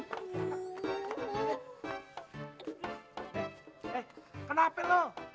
eh eh kenapa lo